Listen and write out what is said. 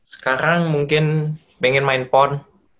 sekarang mungkin pengen main pon